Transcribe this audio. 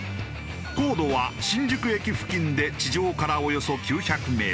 高度は新宿駅付近で地上からおよそ９００メートル。